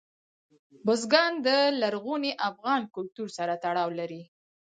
بزګان د لرغوني افغان کلتور سره تړاو لري.